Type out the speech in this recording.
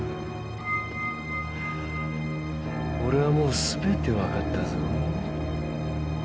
俺はもう全てわかったぞ。